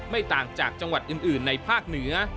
ไม่ต่างจากจังหวัดอื่นในภาคเหนือ